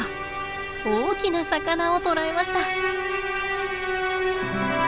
大きな魚を捕らえました。